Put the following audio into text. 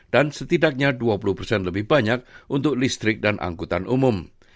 dan setidaknya dua puluh lebih banyak untuk listrik dan angkutan umum